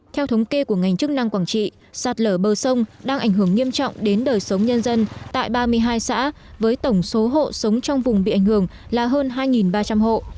theo thống kê của ngành chức năng quảng trị sạt lở bờ sông đang ảnh hưởng nghiêm trọng đến đời sống nhân dân tại ba mươi hai xã với tổng số hộ sống trong vùng bị ảnh hưởng là hơn hai ba trăm linh hộ